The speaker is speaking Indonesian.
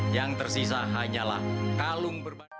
yang tersisa hanyalah kalung berbahaya